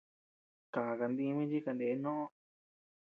Kákaa ndimi chi kaneé noʼo.